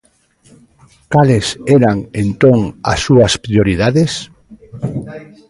¿Cales eran entón as súas prioridades?